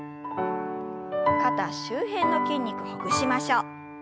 肩周辺の筋肉ほぐしましょう。